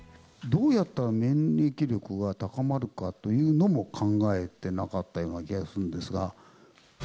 どうやったら免疫力が高まるかということも、考えてなかったような気がするんですが。